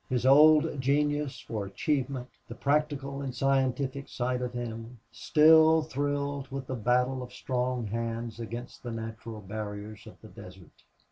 His old genius for achievement, the practical and scientific side of him, still thrilled with the battle of strong hands against the natural barriers of the desert.